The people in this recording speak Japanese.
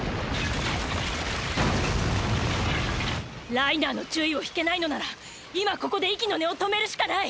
ライナーの注意を引けないのなら今ここで息の根を止めるしかない。